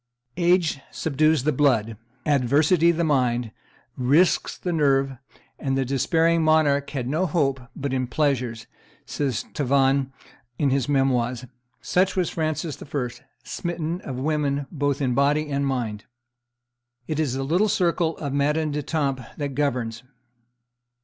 "Age subdues the blood, adversity the mind, risks the nerve, and the despairing monarch has no hope but in pleasures," says Tavannes in his Memoires: "such was Francis I., smitten of women both in body and mind. It is the little circle of Madame d'Etampes that governs."